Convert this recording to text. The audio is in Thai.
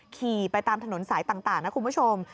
ขี่ไปตามถนนสายต่างนะคุณผู้ชม